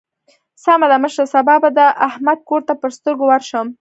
سمه ده مشره؛ سبا به د احمد کور ته پر سترګو ورشم.